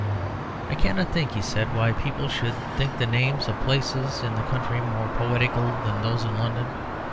"I cannot think," he said, "why people should think the names of places in the country more poetical than those in London.